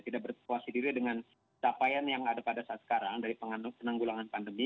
tidak berpuas diri dengan capaian yang ada pada saat sekarang dari penanggulangan pandemi